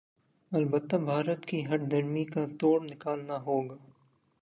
البتہ بھارت کی ہٹ دھرمی کاتوڑ نکالنا ہوگا